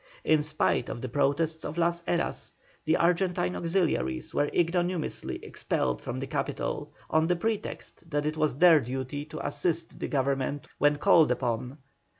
In spite of the protests of Las Heras, the Argentine auxiliaries were ignominiously expelled from the capital, on the pretext that it was their duty to assist the Government when called upon.